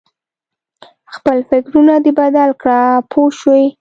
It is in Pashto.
خپل فکرونه دې بدل کړه پوه شوې!.